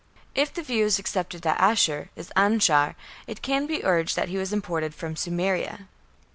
If the view is accepted that Ashur is Anshar, it can be urged that he was imported from Sumeria.